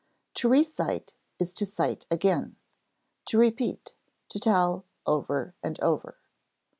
To re cite is to cite again, to repeat, to tell over and over.